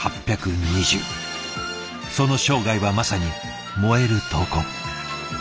その生涯はまさに燃える闘魂。